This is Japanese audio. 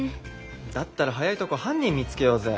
だったら早いとこ犯人見つけようぜ。